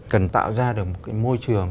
cần tạo ra được một cái môi trường